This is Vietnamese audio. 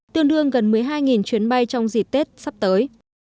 tương đương gần một mươi hai chuyến bay trong dịp tết sắp tới